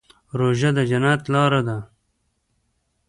روژه د جنت لاره ده.